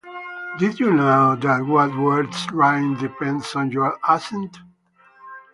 Did you know that what words rhyme depends on your accent?